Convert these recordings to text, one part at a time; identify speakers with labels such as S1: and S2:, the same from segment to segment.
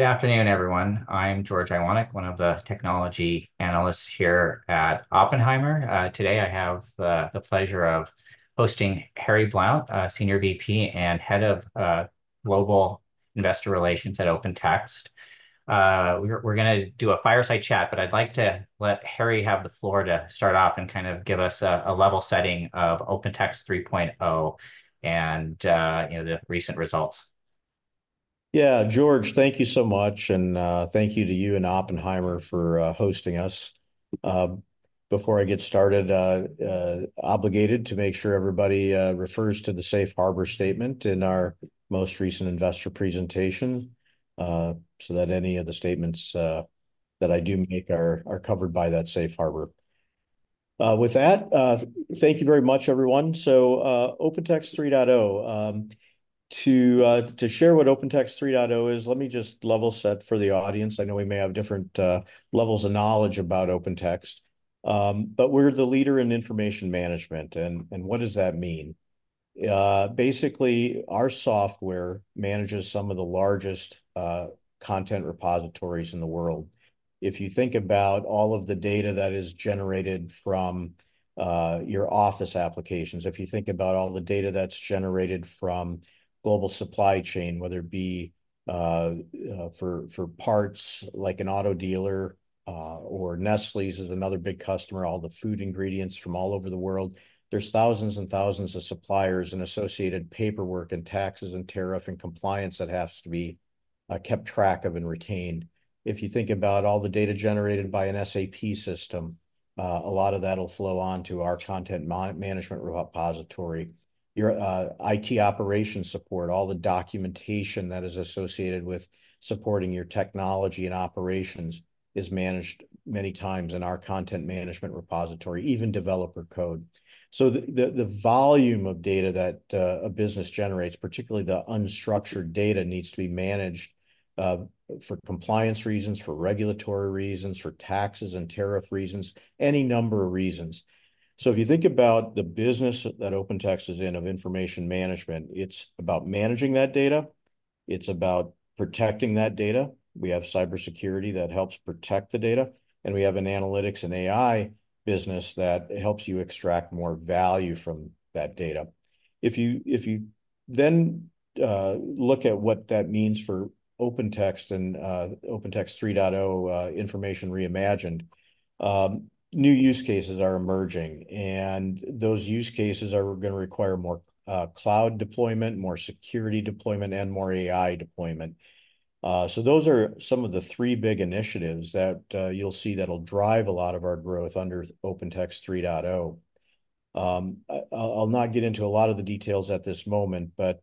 S1: Good afternoon, everyone. I'm George Iwanyc, one of the technology analysts here at Oppenheimer. Today I have the pleasure of hosting Harry Blount, Senior VP and Head of Global Investor Relations at OpenText. We're gonna do a fireside chat, but I'd like to let Harry have the floor to start off and kind of give us a level setting of OpenText 3.0, and you know, the recent results.
S2: Yeah, George, thank you so much, and thank you to you and Oppenheimer for hosting us. Before I get started, obligated to make sure everybody refers to the safe harbor statement in our most recent investor presentation, so that any of the statements that I do make are covered by that safe harbor. With that, thank you very much, everyone. So, OpenText 3.0. To share what OpenText 3.0 is, let me just level set for the audience. I know we may have different levels of knowledge about OpenText. But we're the leader in information management, and what does that mean? Basically, our software manages some of the largest content repositories in the world. If you think about all of the data that is generated from your office applications, if you think about all the data that's generated from global supply chain, whether it be for parts, like an auto dealer, or Nestlé is another big customer, all the food ingredients from all over the world, there's thousands and thousands of suppliers, and associated paperwork, and taxes, and tariff, and compliance that has to be kept track of and retained. If you think about all the data generated by an SAP system, a lot of that'll flow onto our content management repository. Your IT operation support, all the documentation that is associated with supporting your technology and operations is managed many times in our content management repository, even developer code. So the volume of data that a business generates, particularly the unstructured data, needs to be managed for compliance reasons, for regulatory reasons, for taxes and tariff reasons, any number of reasons. So if you think about the business that OpenText is in of information management, it's about managing that data. It's about protecting that data. We have cybersecurity that helps protect the data, and we have an analytics and AI business that helps you extract more value from that data. If you then look at what that means for OpenText and OpenText 3.0, information reimagined, new use cases are emerging, and those use cases are gonna require more cloud deployment, more security deployment, and more AI deployment. So those are some of the three big initiatives that you'll see that'll drive a lot of our growth under OpenText 3.0. I'll not get into a lot of the details at this moment, but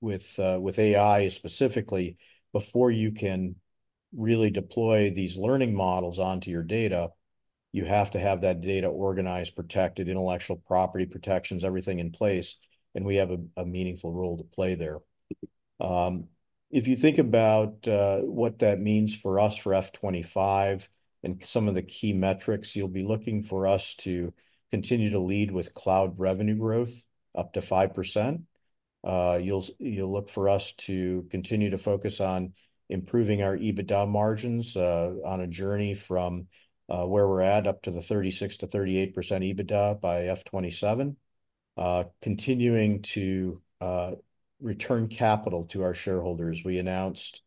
S2: with AI specifically, before you can really deploy these learning models onto your data, you have to have that data organized, protected, intellectual property protections, everything in place, and we have a meaningful role to play there. If you think about what that means for us for F25 and some of the key metrics, you'll be looking for us to continue to lead with cloud revenue growth, up to 5%. You'll look for us to continue to focus on improving our EBITDA margins, on a journey from where we're at, up to the 36%-38% EBITDA by F27. Continuing to return capital to our shareholders, we announced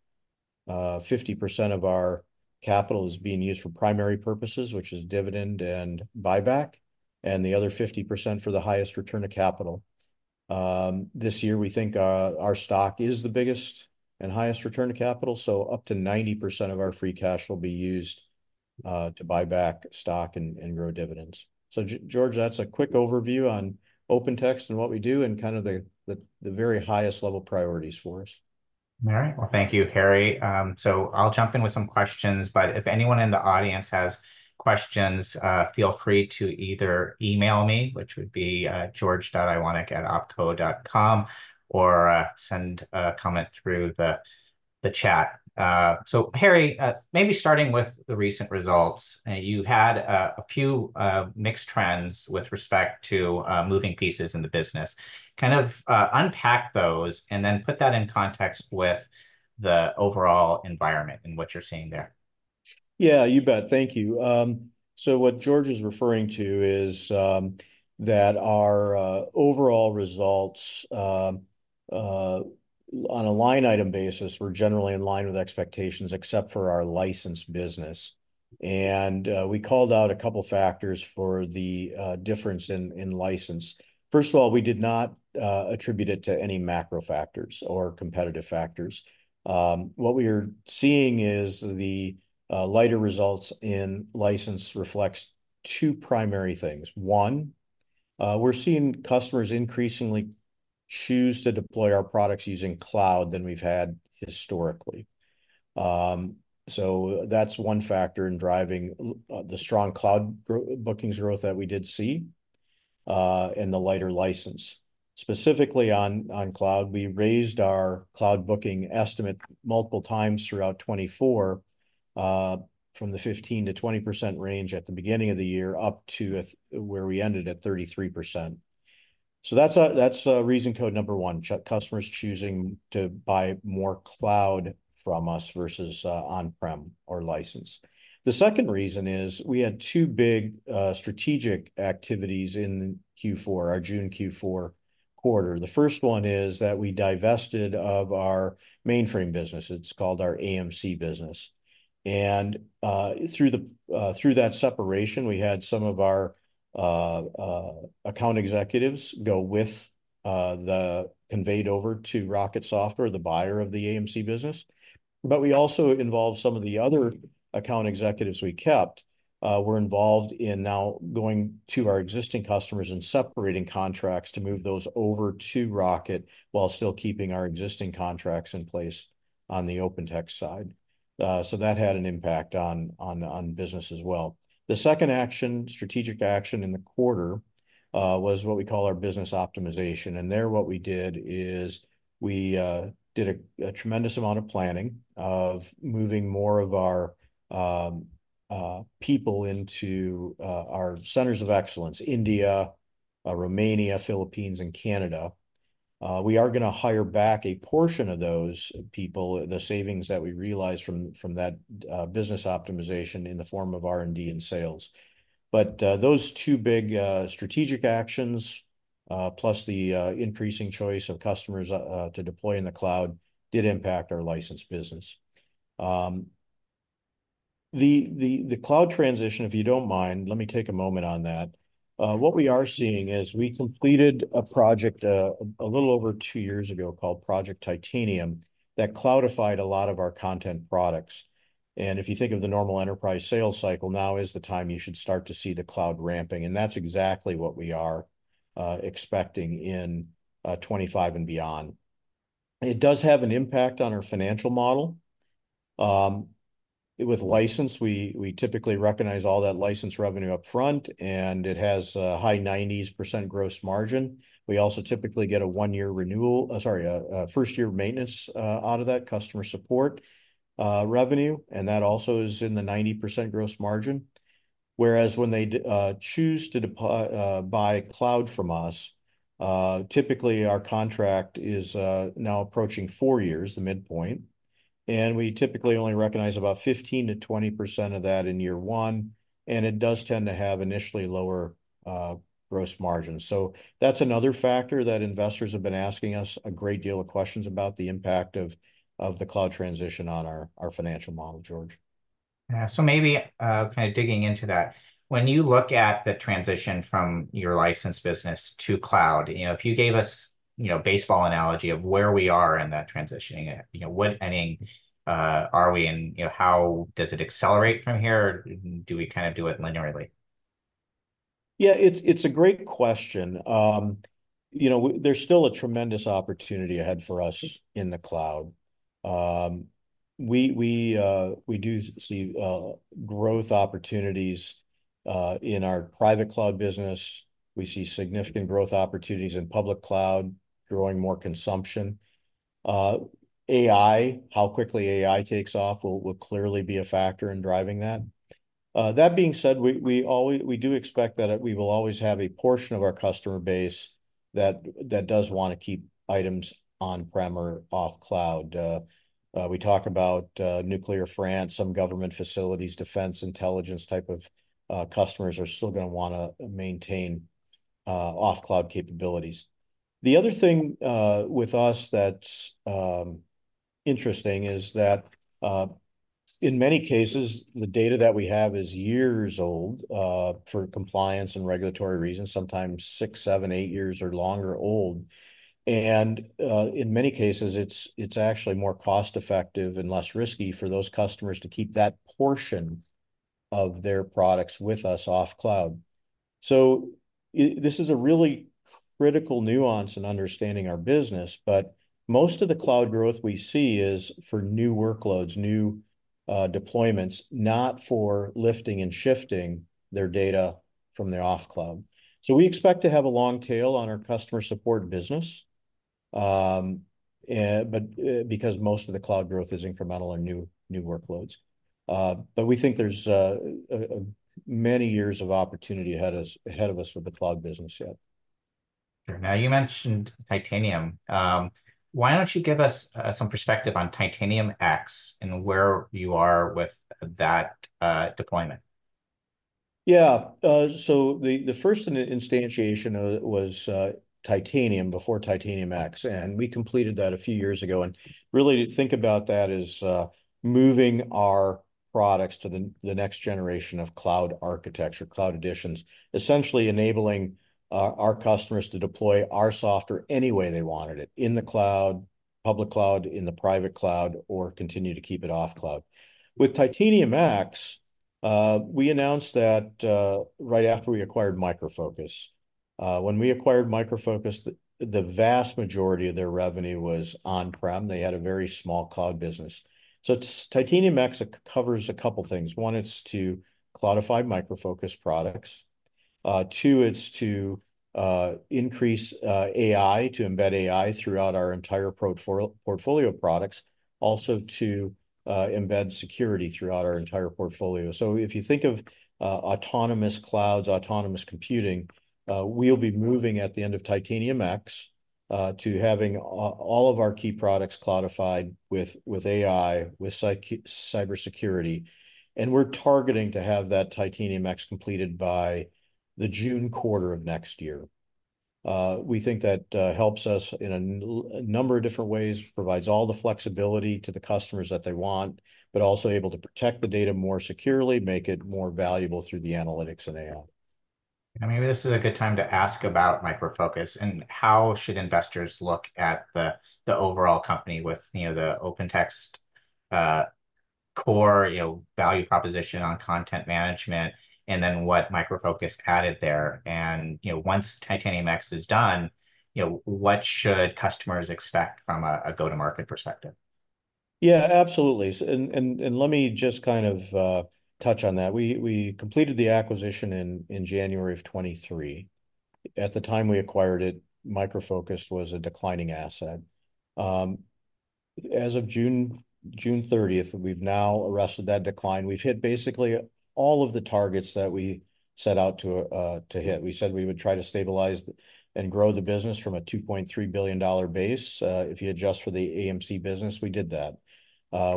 S2: 50% of our capital is being used for primary purposes, which is dividend and buyback, and the other 50% for the highest return of capital. This year, we think our stock is the biggest and highest return of capital, so up to 90% of our free cash will be used to buy back stock and grow dividends. So George, that's a quick overview on OpenText and what we do, and kind of the very highest level priorities for us.
S1: All right. Well, thank you, Harry. So I'll jump in with some questions, but if anyone in the audience has questions, feel free to either email me, which would be george.iwanyc@oppenheimer.com, or send a comment through the chat. So Harry, maybe starting with the recent results, you had a few mixed trends with respect to moving pieces in the business. Kind of unpack those, and then put that in context with the overall environment and what you're seeing there.
S2: Yeah, you bet. Thank you. So what George is referring to is that our overall results on a line item basis were generally in line with expectations, except for our licensed business. We called out a couple factors for the difference in license. First of all, we did not attribute it to any macro factors or competitive factors. What we are seeing is the lighter results in license reflects two primary things. One, we're seeing customers increasingly choose to deploy our products using cloud than we've had historically. So that's one factor in driving the strong cloud bookings growth that we did see and the lighter license. Specifically on cloud, we raised our cloud booking estimate multiple times throughout 2024.... From the 15%-20% range at the beginning of the year, up to where we ended, at 33%. So that's reason code number one, customers choosing to buy more cloud from us versus on-prem or licensed. The second reason is we had two big strategic activities in Q4, our June Q4 quarter. The first one is that we divested of our mainframe business. It's called our AMC business, and through the through that separation, we had some of our account executives go with the conveyed over to Rocket Software, the buyer of the AMC business. But we also involved some of the other account executives we kept, were involved in now going to our existing customers and separating contracts to move those over to Rocket, while still keeping our existing contracts in place on the OpenText side. So that had an impact on business as well. The second action, strategic action in the quarter, was what we call our Business Optimization, and there, what we did is we did a tremendous amount of planning of moving more of our people into our centers of excellence, India, Romania, Philippines, and Canada. We are gonna hire back a portion of those people, the savings that we realized from that Business Optimization in the form of R&D and sales. But, those two big, strategic actions, plus the, increasing choice of customers, to deploy in the cloud did impact our licensed business. The cloud transition, if you don't mind, let me take a moment on that. What we are seeing is we completed a project, a little over two years ago called Project Titanium, that cloudified a lot of our content products, and if you think of the normal enterprise sales cycle, now is the time you should start to see the cloud ramping, and that's exactly what we are, expecting in, 2025 and beyond. It does have an impact on our financial model. With license, we typically recognize all that license revenue upfront, and it has a high 90s% gross margin. We also typically get a one-year renewal. Sorry. First-year maintenance out of that, customer support revenue, and that also is in the 90% gross margin. Whereas when they choose to buy cloud from us, typically our contract is now approaching four years, the midpoint, and we typically only recognize about 15%-20% of that in year one, and it does tend to have initially lower gross margins. So that's another factor that investors have been asking us a great deal of questions about the impact of the cloud transition on our financial model, George.
S1: Yeah, so maybe, kinda digging into that, when you look at the transition from your licensed business to cloud, you know, if you gave us, you know, baseball analogy of where we are in that transitioning, you know, what inning are we in? You know, how does it accelerate from here, or do we kind of do it linearly?
S2: Yeah, it's a great question. You know, there's still a tremendous opportunity ahead for us in the cloud. We do see growth opportunities in our private cloud business. We see significant growth opportunities in public cloud, growing more consumption. AI, how quickly AI takes off will clearly be a factor in driving that. That being said, we do expect that we will always have a portion of our customer base that does wanna keep items on-prem or off cloud. We talk about nuclear France, some government facilities, defense, intelligence type of customers are still gonna wanna maintain off-cloud capabilities. The other thing, with us that's interesting is that, in many cases, the data that we have is years old, for compliance and regulatory reasons, sometimes 6, 7, 8 years or longer old. And, in many cases, it's actually more cost-effective and less risky for those customers to keep that portion of their products with us off cloud. So this is a really critical nuance in understanding our business, but most of the cloud growth we see is for new workloads, new deployments, not for lifting and shifting their data from their off cloud. So we expect to have a long tail on our customer support business, but, because most of the cloud growth is incremental and new workloads. But we think there's many years of opportunity ahead of us with the cloud business yet.
S1: Now, you mentioned Titanium. Why don't you give us some perspective on Titanium X and where you are with that deployment?
S2: Yeah, so the first instantiation of it was Titanium before Titanium X, and we completed that a few years ago, and really to think about that as moving our products to the next generation of cloud architecture, cloud editions, essentially enabling our customers to deploy our software any way they wanted it, in the cloud, public cloud, in the private cloud, or continue to keep it off cloud. With Titanium X, we announced that right after we acquired Micro Focus. When we acquired Micro Focus, the vast majority of their revenue was on-prem. They had a very small cloud business. So Titanium X covers a couple things. One, it's to cloudify Micro Focus products. Two, it's to increase AI, to embed AI throughout our entire portfolio of products. Also, to embed security throughout our entire portfolio. So if you think of, autonomous clouds, autonomous computing, we'll be moving at the end of Titanium X, to having all of our key products cloudified with, with AI, with cybersecurity, and we're targeting to have that Titanium X completed by the June quarter of next year. We think that, helps us in a number of different ways, provides all the flexibility to the customers that they want, but also able to protect the data more securely, make it more valuable through the analytics and AI.
S1: Maybe this is a good time to ask about Micro Focus, and how should investors look at the overall company with, you know, the OpenText core, you know, value proposition on content management, and then what Micro Focus added there. And, you know, once Titanium X is done, you know, what should customers expect from a go-to-market perspective?
S2: Yeah, absolutely. So, let me just kind of touch on that. We completed the acquisition in January of 2023. At the time we acquired it, Micro Focus was a declining asset. As of June 30th, we've now arrested that decline. We've hit basically all of the targets that we set out to hit. We said we would try to stabilize and grow the business from a $2.3 billion base. If you adjust for the AMC business, we did that.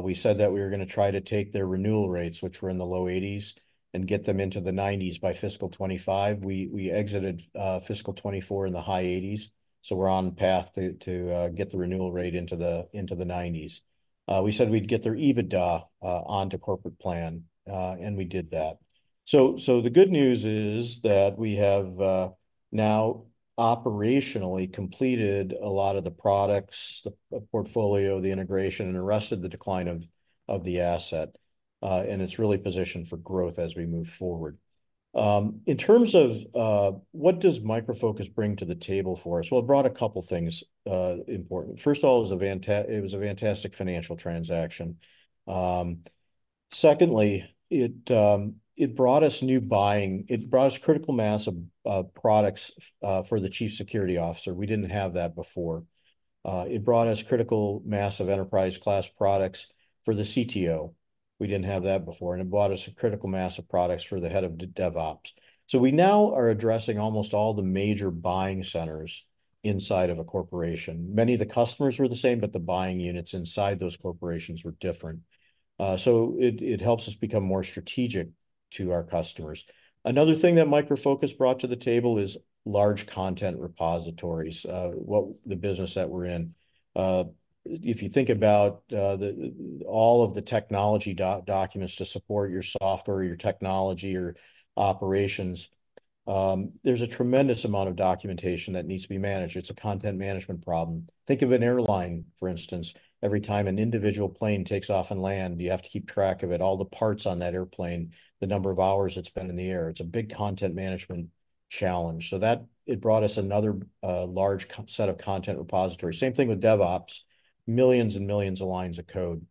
S2: We said that we were gonna try to take their renewal rates, which were in the low 80s, and get them into the 90s by fiscal 2025. We exited fiscal 2024 in the high 80s, so we're on path to get the renewal rate into the 90s. We said we'd get their EBITDA onto corporate plan, and we did that. So the good news is that we have now operationally completed a lot of the products, the portfolio, the integration, and arrested the decline of the asset. And it's really positioned for growth as we move forward. In terms of what does Micro Focus bring to the table for us? Well, it brought a couple things important. First of all, it was a fantastic financial transaction. Secondly, it brought us critical mass of products for the chief security officer. We didn't have that before. It brought us critical mass of enterprise-class products for the CTO. We didn't have that before, and it brought us a critical mass of products for the head of the DevOps. So we now are addressing almost all the major buying centers inside of a corporation. Many of the customers were the same, but the buying units inside those corporations were different. So it, it helps us become more strategic to our customers. Another thing that Micro Focus brought to the table is large content repositories, what the business that we're in. If you think about, the, all of the technology documents to support your software, your technology, your operations, there's a tremendous amount of documentation that needs to be managed. It's a content management problem. Think of an airline, for instance. Every time an individual plane takes off and land, you have to keep track of it, all the parts on that airplane, the number of hours it's been in the air. It's a big content management challenge. So that, it brought us another, large set of content repositories. Same thing with DevOps, millions and millions of lines of code.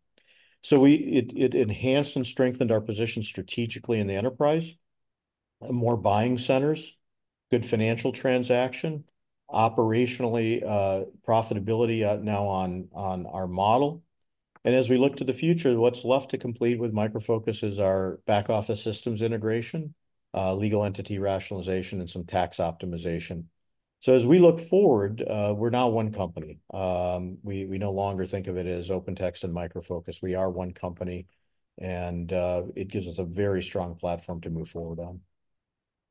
S2: So we... It, it enhanced and strengthened our position strategically in the enterprise, and more buying centers, good financial transaction, operationally, profitability, now on, on our model. And as we look to the future, what's left to complete with Micro Focus is our back office systems integration, legal entity rationalization, and some tax optimization. So as we look forward, we're now one company. We, we no longer think of it as OpenText and Micro Focus. We are one company, and it gives us a very strong platform to move forward on.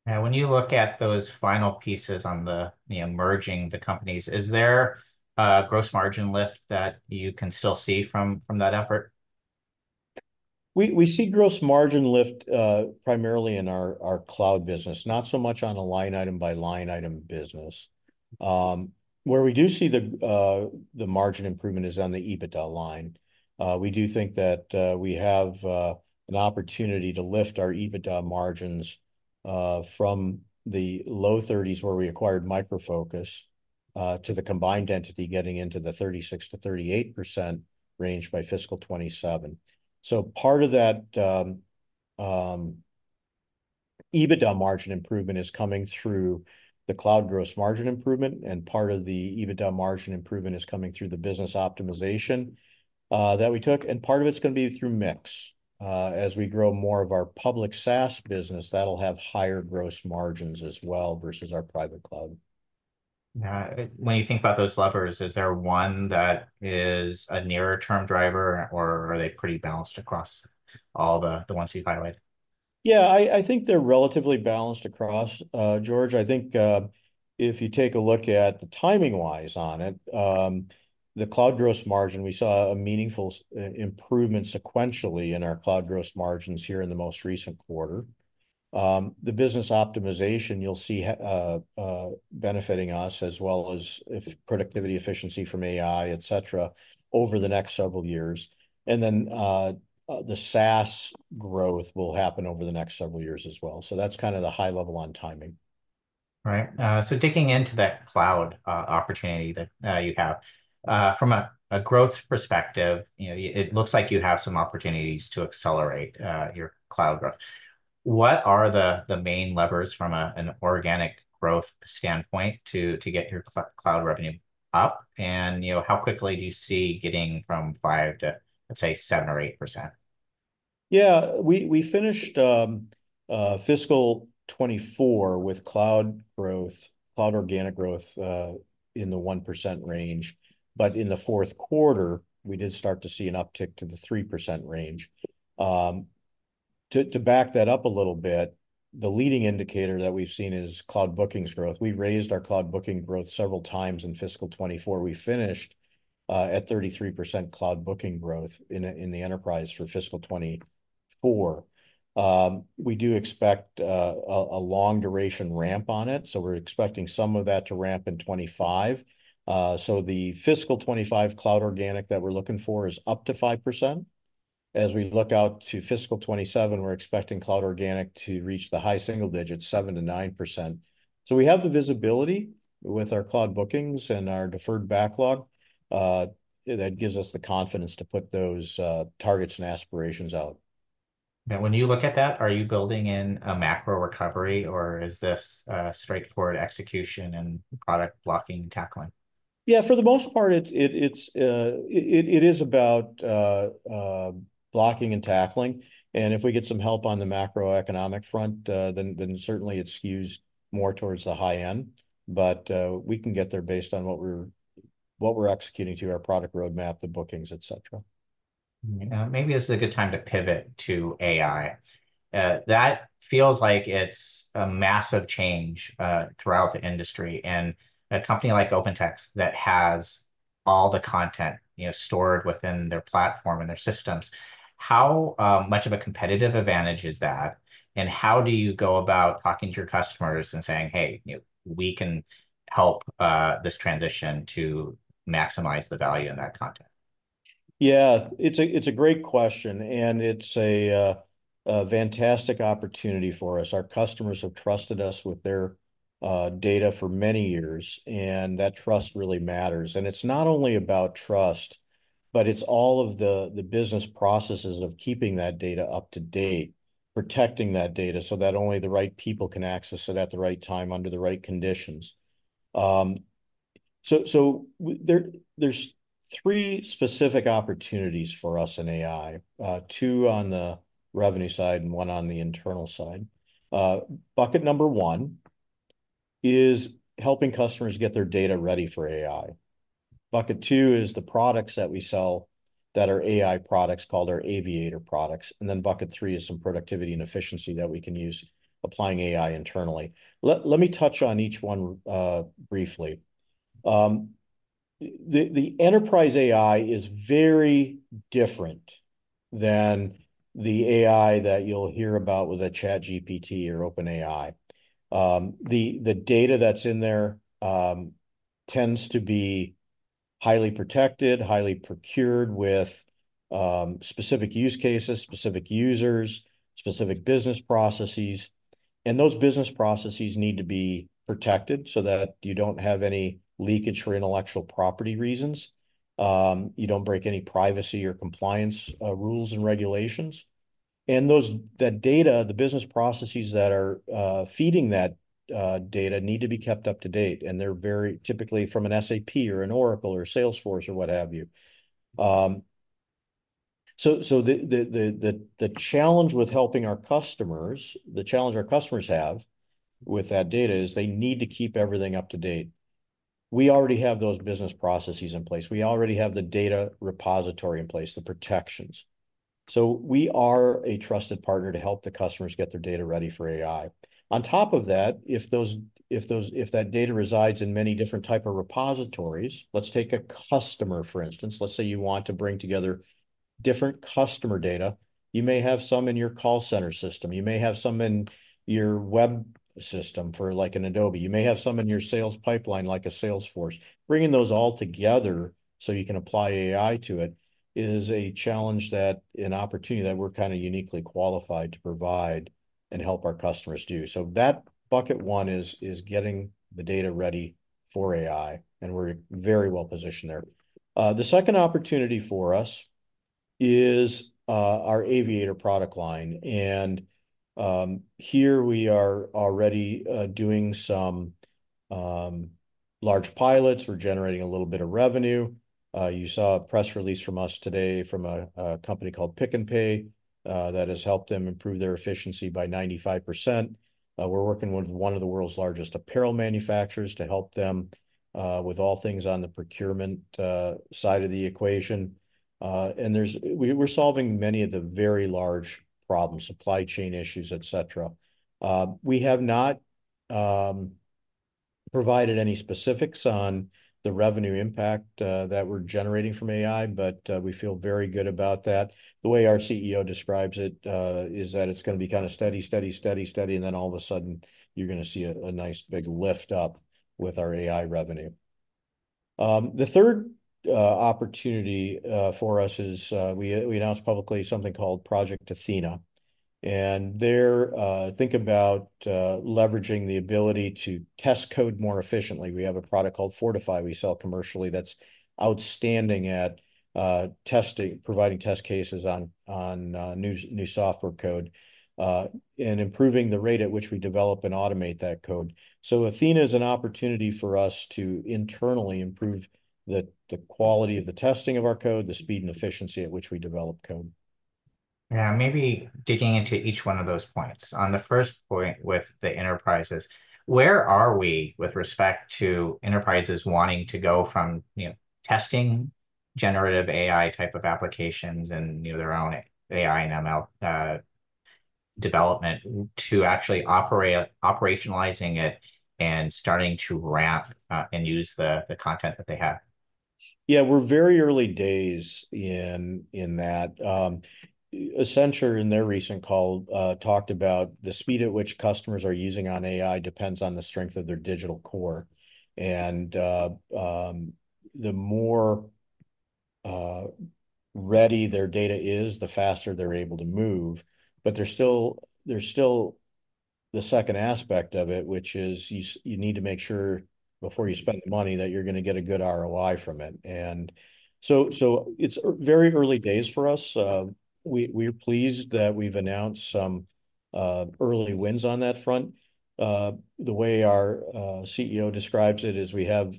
S1: When you look at those final pieces on the merging the companies, is there a gross margin lift that you can still see from that effort?
S2: We see gross margin lift, primarily in our cloud business, not so much on a line item by line item business. Where we do see the margin improvement is on the EBITDA line. We do think that we have an opportunity to lift our EBITDA margins from the low 30s, where we acquired Micro Focus, to the combined entity getting into the 36%-38% range by fiscal 2027. So part of that EBITDA margin improvement is coming through the cloud gross margin improvement, and part of the EBITDA margin improvement is coming through the business optimization that we took, and part of it's gonna be through mix. As we grow more of our public SaaS business, that'll have higher gross margins as well, versus our private cloud.
S1: Yeah, when you think about those levers, is there one that is a nearer-term driver, or are they pretty balanced across all the ones you've highlighted?
S2: Yeah, I think they're relatively balanced across, George. I think, if you take a look at the timing-wise on it, the cloud gross margin, we saw a meaningful improvement sequentially in our cloud gross margins here in the most recent quarter. The business optimization, you'll see benefiting us, as well as if productivity efficiency from AI, et cetera, over the next several years. And then, the SaaS growth will happen over the next several years as well. So that's kind of the high level on timing.
S1: Right, so digging into that cloud opportunity that you have from a growth perspective, you know, it looks like you have some opportunities to accelerate your cloud growth. What are the main levers from an organic growth standpoint to get your cloud revenue up, and, you know, how quickly do you see getting from 5% to, let's say, 7% or 8%?
S2: Yeah, we finished fiscal 2024 with cloud growth, cloud organic growth in the 1% range. But in the fourth quarter, we did start to see an uptick to the 3% range. To back that up a little bit, the leading indicator that we've seen is cloud bookings growth. We raised our cloud booking growth several times in fiscal 2024. We finished at 33% cloud booking growth in the enterprise for fiscal 2024. We do expect a long duration ramp on it, so we're expecting some of that to ramp in 2025. So the fiscal 2025 cloud organic that we're looking for is up to 5%. As we look out to fiscal 2027, we're expecting cloud organic to reach the high single digits, 7%-9%. So we have the visibility with our cloud bookings and our deferred backlog. That gives us the confidence to put those targets and aspirations out.
S1: Now, when you look at that, are you building in a macro recovery, or is this a straightforward execution and product blocking and tackling?
S2: Yeah, for the most part, it's about blocking and tackling, and if we get some help on the macroeconomic front, then certainly it skews more towards the high end. But, we can get there based on what we're executing through our product roadmap, the bookings, et cetera.
S1: Yeah, maybe this is a good time to pivot to AI. That feels like it's a massive change throughout the industry, and a company like OpenText that has all the content, you know, stored within their platform and their systems, how much of a competitive advantage is that? And how do you go about talking to your customers and saying, "Hey, you know, we can help this transition to maximize the value of that content?
S2: Yeah, it's a great question, and it's a fantastic opportunity for us. Our customers have trusted us with their data for many years, and that trust really matters. And it's not only about trust, but it's all of the business processes of keeping that data up to date, protecting that data so that only the right people can access it at the right time, under the right conditions. So there, there's three specific opportunities for us in AI, two on the revenue side and one on the internal side. Bucket number one is helping customers get their data ready for AI. Bucket two is the products that we sell that are AI products, called our Aviator products, and then bucket three is some productivity and efficiency that we can use applying AI internally. Let me touch on each one briefly. The enterprise AI is very different than the AI that you'll hear about with a ChatGPT or OpenAI. The data that's in there tends to be highly protected, highly procured with specific use cases, specific users, specific business processes, and those business processes need to be protected so that you don't have any leakage for intellectual property reasons, you don't break any privacy or compliance rules and regulations. That data, the business processes that are feeding that data need to be kept up to date, and they're very typically from an SAP or an Oracle or Salesforce or what have you. So, the challenge with helping our customers, the challenge our customers have with that data, is they need to keep everything up to date. We already have those business processes in place. We already have the data repository in place, the protections. So we are a trusted partner to help the customers get their data ready for AI. On top of that, if that data resides in many different type of repositories... Let's take a customer, for instance. Let's say you want to bring together different customer data. You may have some in your call center system. You may have some in your web system for like an Adobe. You may have some in your sales pipeline, like a Salesforce. Bringing those all together so you can apply AI to it is a challenge that, an opportunity that we're kinda uniquely qualified to provide and help our customers do. So that bucket one is getting the data ready for AI, and we're very well-positioned there. The second opportunity for us is our Aviator product line, and here we are already doing some large pilots. We're generating a little bit of revenue. You saw a press release from us today from a company called Pick n Pay that has helped them improve their efficiency by 95%. We're working with one of the world's largest apparel manufacturers to help them with all things on the procurement side of the equation. We're solving many of the very large problems, supply chain issues, et cetera. We have not provided any specifics on the revenue impact that we're generating from AI, but we feel very good about that. The way our CEO describes it is that it's gonna be kinda steady, steady, steady, steady, and then all of a sudden, you're gonna see a nice big lift up with our AI revenue. The third opportunity for us is we announced publicly something called Project Athena. And there, think about leveraging the ability to test code more efficiently. We have a product called Fortify we sell commercially that's outstanding at testing, providing test cases on new software code, and improving the rate at which we develop and automate that code. So Athena is an opportunity for us to internally improve the quality of the testing of our code, the speed and efficiency at which we develop code.
S1: Yeah, maybe digging into each one of those points. On the first point with the enterprises, where are we with respect to enterprises wanting to go from, you know, testing generative AI type of applications and, you know, their own AI and ML development, to actually operationalizing it and starting to ramp and use the content that they have?
S2: Yeah, we're very early days in that. Accenture, in their recent call, talked about the speed at which customers are using on AI depends on the strength of their digital core. And the more ready their data is, the faster they're able to move. But there's still, there's still the second aspect of it, which is you need to make sure before you spend the money, that you're gonna get a good ROI from it. And so, so it's very early days for us. We, we're pleased that we've announced some early wins on that front. The way our CEO describes it is, we have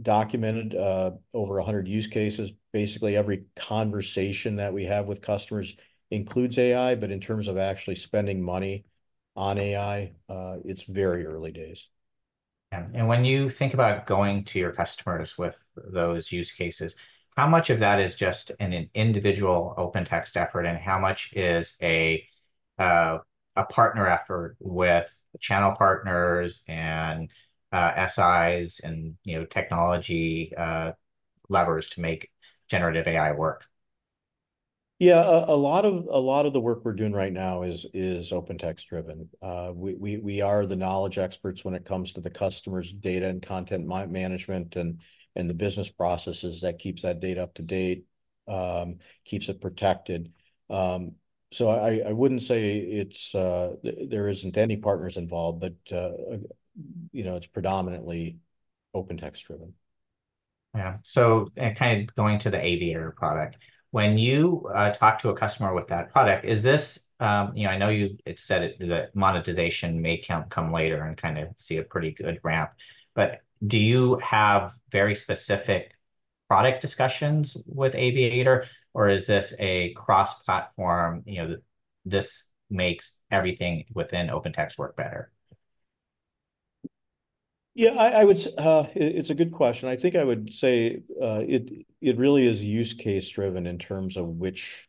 S2: documented over 100 use cases. Basically, every conversation that we have with customers includes AI, but in terms of actually spending money on AI, it's very early days.
S1: Yeah, and when you think about going to your customers with those use cases, how much of that is just in an individual OpenText effort, and how much is a, a partner effort with channel partners, and, SIs, and, you know, technology, levers to make generative AI work?
S2: Yeah, a lot of the work we're doing right now is OpenText-driven. We are the knowledge experts when it comes to the customer's data and content management, and the business processes that keeps that data up to date, keeps it protected. So I wouldn't say it's... there isn't any partners involved, but, you know, it's predominantly OpenText-driven.
S1: Yeah. So, and kind of going to the Aviator product, when you talk to a customer with that product, is this... you know, I know you had said it, that monetization may come, come later and kind of see a pretty good ramp, but do you have very specific product discussions with Aviator, or is this a cross-platform, you know, this makes everything within OpenText work better?
S2: Yeah, I, I would. It's a good question. I think I would say, it, it really is use case-driven in terms of which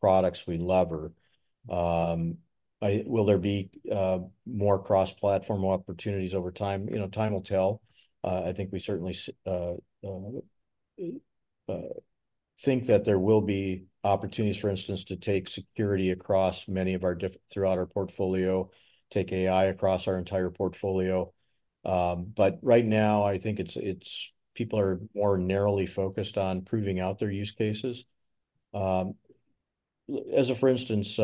S2: products we leverage. Will there be more cross-platform opportunities over time? You know, time will tell. I think we certainly think that there will be opportunities, for instance, to take security across many of our different throughout our portfolio, take AI across our entire portfolio. But right now, I think it's, it's. People are more narrowly focused on proving out their use cases. As a for instance,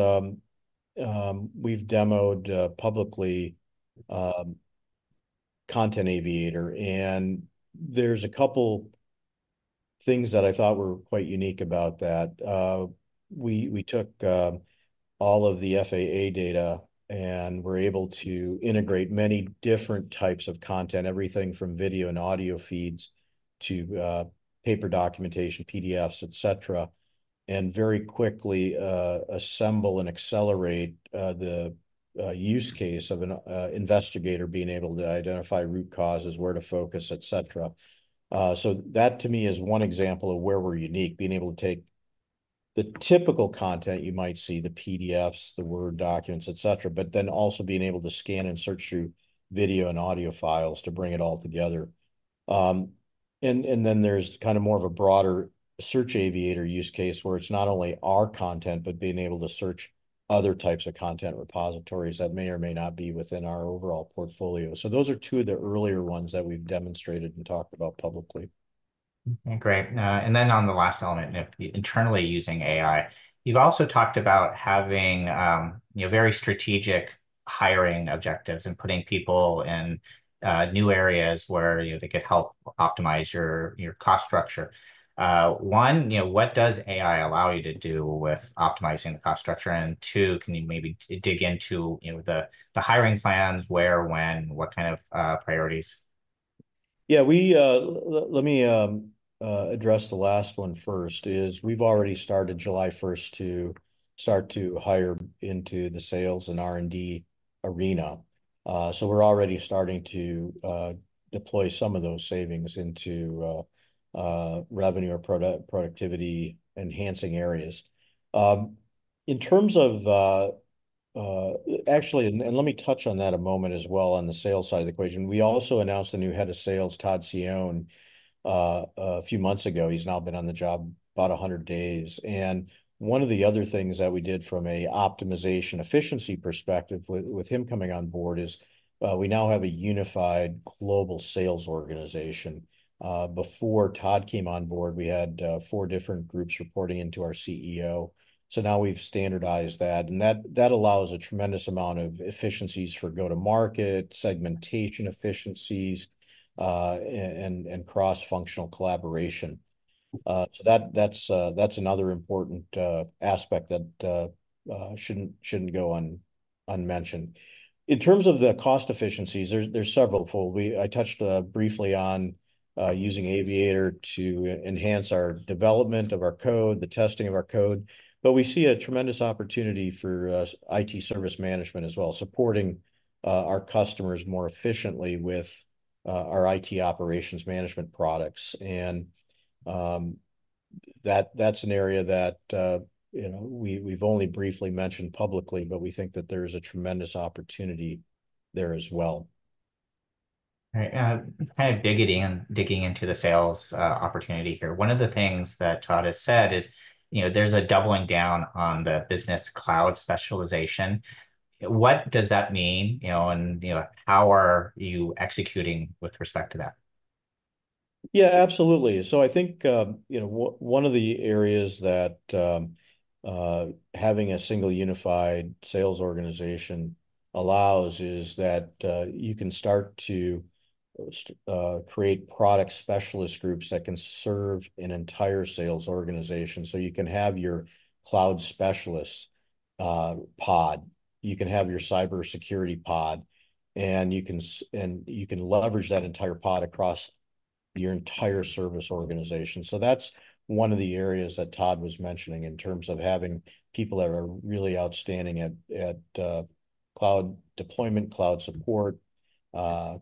S2: we've demoed publicly Content Aviator, and there's a couple things that I thought were quite unique about that. We took all of the FAA data and were able to integrate many different types of content, everything from video and audio feeds to paper documentation, PDFs, et cetera, and very quickly assemble and accelerate the use case of an investigator being able to identify root causes, where to focus, et cetera. So that, to me, is one example of where we're unique, being able to take the typical content you might see, the PDFs, the Word documents, et cetera, but then also being able to scan and search through video and audio files to bring it all together. And then there's kind of more of a broader Search Aviator use case, where it's not only our content, but being able to search other types of content repositories that may or may not be within our overall portfolio. So those are two of the earlier ones that we've demonstrated and talked about publicly.
S1: Great. And then on the last element, internally using AI, you've also talked about having, you know, very strategic hiring objectives and putting people in new areas where, you know, they could help optimize your cost structure. One, you know, what does AI allow you to do with optimizing the cost structure? And two, can you maybe dig into, you know, the hiring plans, where, when, what kind of priorities?
S2: Yeah, let me address the last one first, is we've already started July 1st to start to hire into the sales and R&D arena. So we're already starting to deploy some of those savings into revenue or productivity-enhancing areas. In terms of... Actually, and let me touch on that a moment as well, on the sales side of the equation. We also announced a new head of sales, Todd Cione a few months ago. He's now been on the job about 100 days, and one of the other things that we did from a optimization efficiency perspective with him coming on board is we now have a unified global sales organization. Before Todd came on board, we had four different groups reporting into our CEO, so now we've standardized that, and that allows a tremendous amount of efficiencies for go-to-market, segmentation efficiencies, and cross-functional collaboration. So that's another important aspect that shouldn't go unmentioned. In terms of the cost efficiencies, there's several. I touched briefly on using Aviator to enhance our development of our code, the testing of our code, but we see a tremendous opportunity for IT service management as well, supporting our customers more efficiently with our IT operations management products. That's an area that, you know, we've only briefly mentioned publicly, but we think that there's a tremendous opportunity there as well.
S1: Right, kind of digging into the sales opportunity here, one of the things that Todd has said is, you know, there's a doubling down on the business cloud specialization. What does that mean, you know, and, you know, how are you executing with respect to that?
S2: Yeah, absolutely. So I think, you know, one of the areas that having a single unified sales organization allows is that you can start to create product specialist groups that can serve an entire sales organization. So you can have your cloud specialist pod, you can have your cybersecurity pod, and you can leverage that entire pod across your entire service organization. So that's one of the areas that Todd was mentioning in terms of having people that are really outstanding at cloud deployment, cloud support,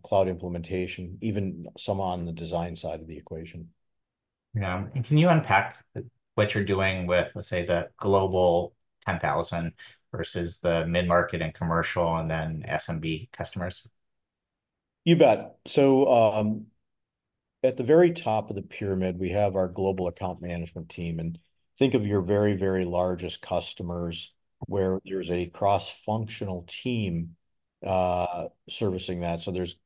S2: cloud implementation, even some on the design side of the equation.
S1: Yeah, and can you unpack what you're doing with, let's say, the Global 10,000 versus the mid-market and commercial, and then SMB customers?
S2: You bet. So, at the very top of the pyramid, we have our global account management team, and think of your very, very largest customers, where there's a cross-functional team, servicing that. So there's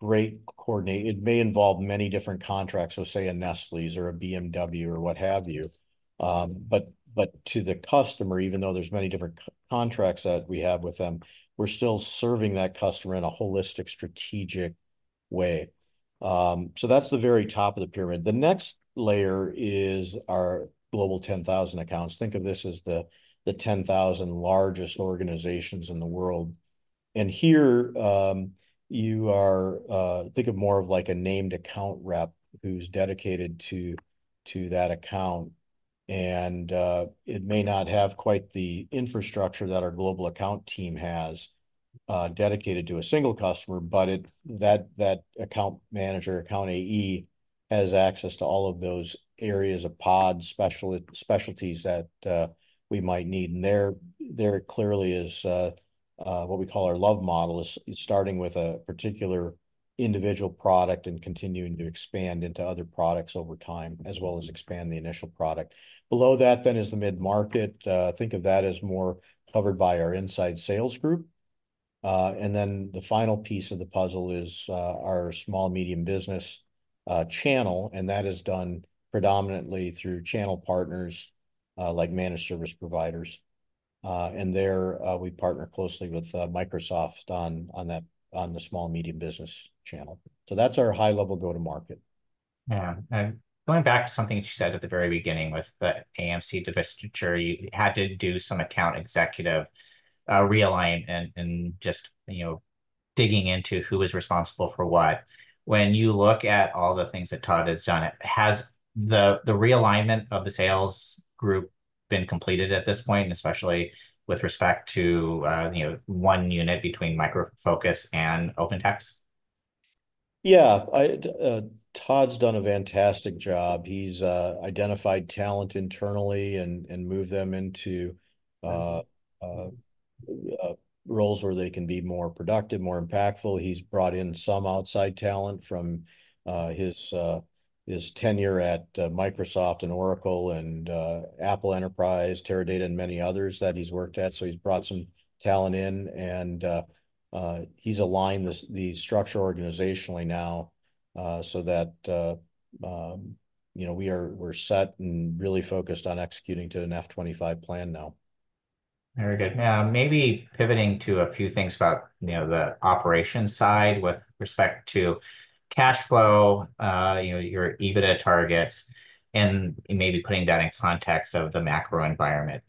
S2: great coordination. It may involve many different contracts, so say a Nestlé's or a BMW or what have you. But, to the customer, even though there's many different contracts that we have with them, we're still serving that customer in a holistic, strategic way. So that's the very top of the pyramid. The next layer is our global 10,000 accounts. Think of this as the 10,000 largest organizations in the world. And here, you are, Think of more of like a named account rep who's dedicated to that account, and it may not have quite the infrastructure that our global account team has dedicated to a single customer, but that account manager, account AE, has access to all of those areas of pod specialties that we might need. And there clearly is what we call our land and expand model, is starting with a particular individual product and continuing to expand into other products over time, as well as expand the initial product. Below that then is the mid-market. Think of that as more covered by our inside sales group. And then the final piece of the puzzle is our small-medium business channel, and that is done predominantly through channel partners like managed service providers. And there we partner closely with Microsoft on that, on the small-medium business channel. So that's our high-level go-to-market.
S1: Yeah, and going back to something that you said at the very beginning with the AMC divestiture, you had to do some account executive realignment and just, you know, digging into who is responsible for what. When you look at all the things that Todd has done, has the realignment of the sales group been completed at this point, and especially with respect to, you know, one unit between Micro Focus and OpenText?
S2: Yeah, I, Todd's done a fantastic job. He's identified talent internally and moved them into roles where they can be more productive, more impactful. He's brought in some outside talent from his tenure at Microsoft and Oracle, and Apple Enterprise, Teradata, and many others that he's worked at. So he's brought some talent in, and he's aligned the structure organizationally now, so that you know, we're set and really focused on executing to an FY 2025 plan now.
S1: Very good. Now, maybe pivoting to a few things about, you know, the operations side with respect to cash flow, you know, your EBITDA targets, and maybe putting that in context of the macro environment.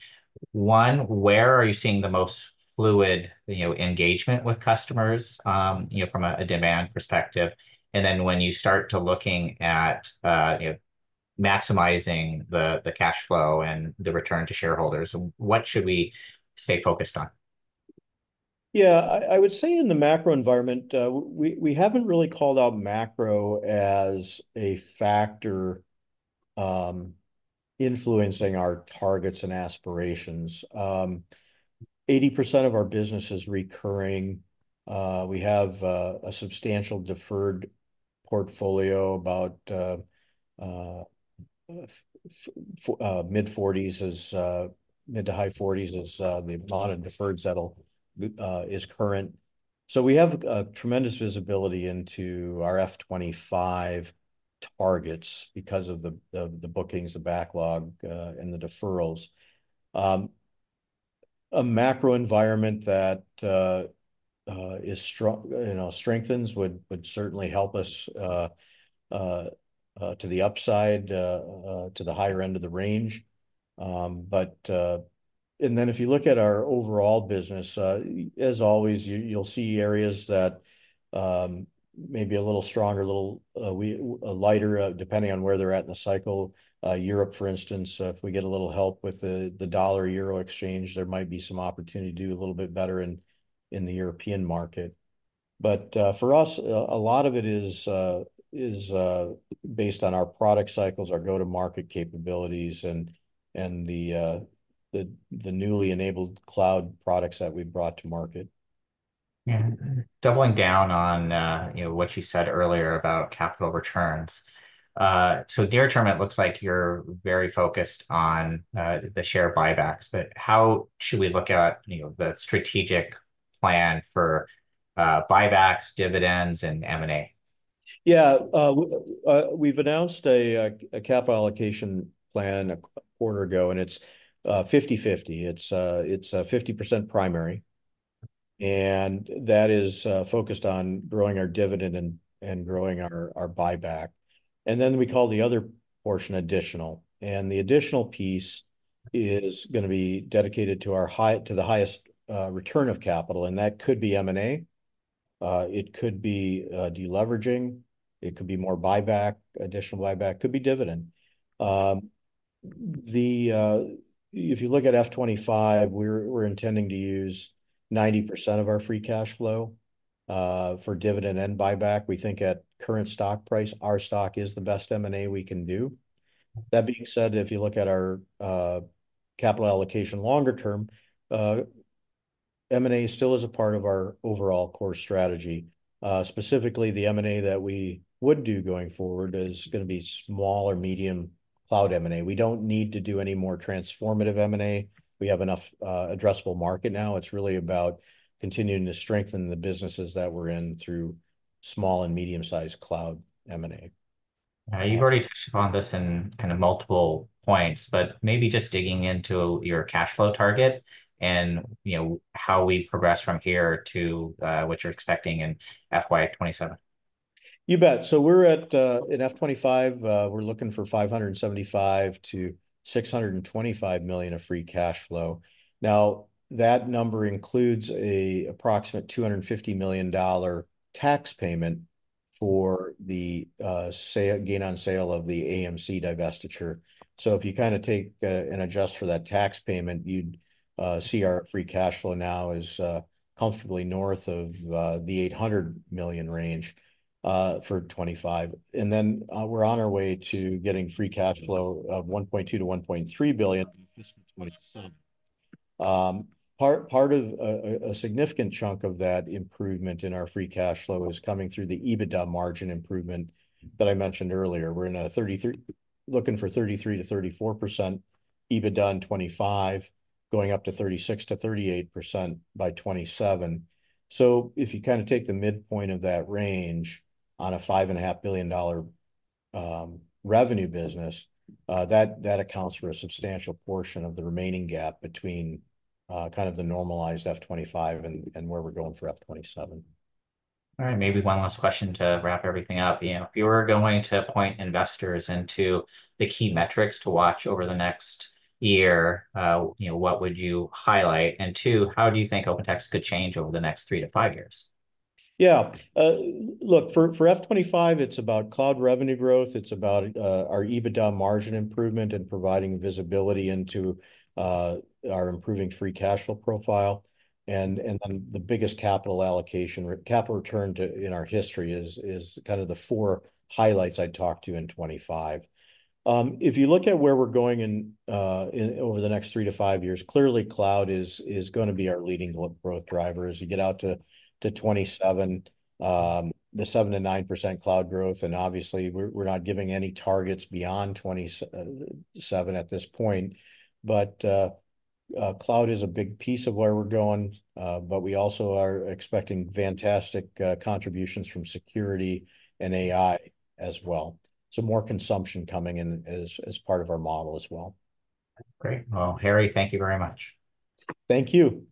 S1: One, where are you seeing the most fluid, you know, engagement with customers, you know, from a demand perspective? And then when you start to looking at, you know, maximizing the cash flow and the return to shareholders, what should we stay focused on?
S2: Yeah, I would say in the macro environment, we haven't really called out macro as a factor influencing our targets and aspirations. 80% of our business is recurring. We have a substantial deferred portfolio, about mid-40s as mid to high 40s as the amount of deferred settle is current. So we have tremendous visibility into our F25 targets because of the bookings, the backlog, and the deferrals. A macro environment that is strong you know, strengthens would certainly help us to the upside to the higher end of the range. But... And then if you look at our overall business, as always, you'll see areas that may be a little stronger, a little lighter, depending on where they're at in the cycle. Europe, for instance, if we get a little help with the dollar-euro exchange, there might be some opportunity to do a little bit better in the European market. But for us, a lot of it is based on our product cycles, our go-to-market capabilities, and the newly enabled cloud products that we've brought to market.
S1: Yeah. Doubling down on, you know, what you said earlier about capital returns. So near term, it looks like you're very focused on, the share buybacks, but how should we look at, you know, the strategic plan for, buybacks, dividends, and M&A?
S2: Yeah, we've announced a capital allocation plan a quarter ago, and it's 50/50. It's 50% primary, and that is focused on growing our dividend and growing our buyback. And then we call the other portion additional, and the additional piece is gonna be dedicated to our high- to the highest return of capital, and that could be M&A, it could be de-leveraging, it could be more buyback, additional buyback, could be dividend. If you look at F25, we're intending to use 90% of our free cash flow for dividend and buyback. We think at current stock price, our stock is the best M&A we can do. That being said, if you look at our capital allocation longer term, M&A still is a part of our overall core strategy. Specifically, the M&A that we would do going forward is gonna be small or medium cloud M&A. We don't need to do any more transformative M&A. We have enough addressable market now. It's really about continuing to strengthen the businesses that we're in through small and medium-sized cloud M&A.
S1: You've already touched upon this in kind of multiple points, but maybe just digging into your cash flow target, and, you know, how we progress from here to what you're expecting in FY27.
S2: You bet. So we're at, in FY 2025, we're looking for $575 million-$625 million of free cash flow. Now, that number includes an approximate $250 million tax payment for the, gain on sale of the AMC divestiture. So if you kinda take, and adjust for that tax payment, you'd see our free cash flow now is, comfortably north of, the $800 million range, for 2025. And then, we're on our way to getting free cash flow of $1.2 billion-$1.3 billion in fiscal 2027. Part of a significant chunk of that improvement in our free cash flow is coming through the EBITDA margin improvement that I mentioned earlier. We're looking for 33%-34% EBITDA in 2025, going up to 36%-38% by 2027. So if you kinda take the midpoint of that range on a $5.5 billion revenue business, that accounts for a substantial portion of the remaining gap between kind of the normalised F25 and where we're going for F27.
S1: All right, maybe one last question to wrap everything up. You know, if you were going to point investors into the key metrics to watch over the next year, you know, what would you highlight? And two, how do you think OpenText could change over the next three to five years?
S2: Yeah. Look, for F25, it's about cloud revenue growth, it's about our EBITDA margin improvement and providing visibility into our improving free cash flow profile, and the biggest capital allocation or capital return to in our history is kind of the four highlights I'd talk to in 2025. If you look at where we're going in over the next three to five years, clearly cloud is gonna be our leading growth driver. As you get out to 2027, the 7%-9% cloud growth, and obviously, we're not giving any targets beyond 2027 at this point. But, cloud is a big piece of where we're going, but we also are expecting fantastic contributions from security and AI as well, so more consumption coming in as part of our model as well.
S1: Great. Well, Harry, thank you very much.
S2: Thank you.